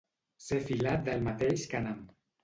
Ser filat del mateix cànem.